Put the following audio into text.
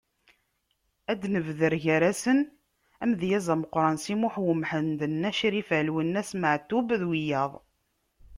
Ad d-nebder gar-asen: Amedyaz ameqqran Si Muḥend Umḥend, Nna Crifa, Lwennas Meɛtub, d wiyaḍ.